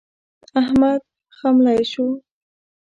احمد خملۍ شو.